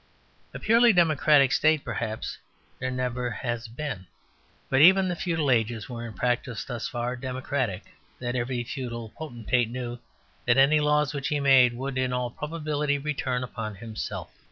A purely democratic state perhaps there has never been. But even the feudal ages were in practice thus far democratic, that every feudal potentate knew that any laws which he made would in all probability return upon himself.